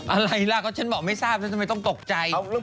อะไรล่ะก็ฉันบอกไม่ทราบฉันทำไมต้องตกใจ